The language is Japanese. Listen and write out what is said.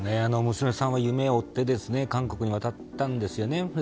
娘さんは夢を追って韓国に渡ったんですよね。